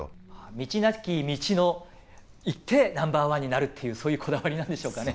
道なき道を行ってナンバーワンになるっていうそういうこだわりなんでしょうかね。